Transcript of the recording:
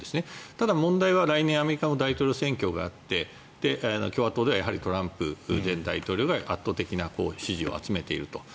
ただ、問題は来年アメリカも大統領選挙があって共和党ではトランプ前大統領が圧倒的な支持を集めていると。